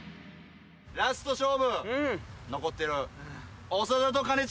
ラスト勝負残ってる。